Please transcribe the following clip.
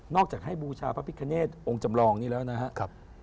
จากให้บูชาพระพิคเนตองค์จำลองนี้แล้วนะครับ